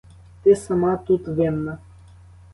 Ти сама тут винна.